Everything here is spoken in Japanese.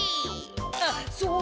あっそうだ！